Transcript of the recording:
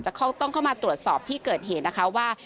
ต้องเข้ามาตรวจสอบที่เกิดเหตุนะคะว่า